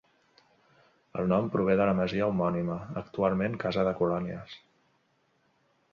El nom prové de la masia homònima, actualment casa de colònies.